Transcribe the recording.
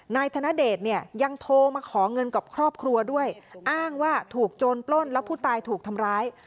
นายธนเดชเนี่ยยังโทรมาขอเงินกับครอบครัวด้วยอ้างว่าถูกโจรปล้นแล้วผู้ตายถูกทำร้าย